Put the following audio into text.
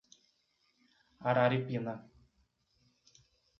Araripina